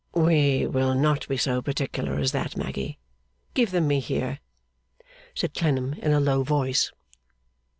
'We will not be so particular as that, Maggy. Give them me here,' said Clennam in a low voice.